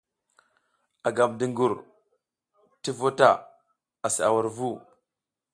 A gam dungur ti vu ta asi a wur vu.